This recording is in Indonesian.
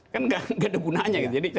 kan nggak ada gunanya gitu